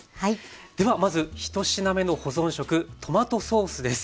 ではまず１品目の保存食トマトソースです。